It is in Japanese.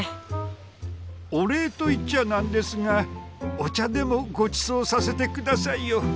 お礼と言っちゃなんですがお茶でもごちそうさせて下さいよ。